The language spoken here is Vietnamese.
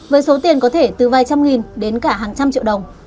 với số tiền có thể từ vài trăm nghìn đến cả hàng trăm triệu đồng